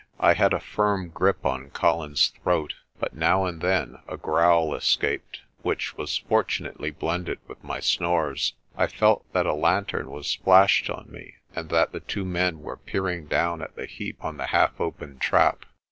I had a firm grip on Colin's throat, but now and then a growl escaped, which was fortunately blended with my snores. I felt that a lan tern was flashed on me and that the two men were peering down at the heap on the half opened trap.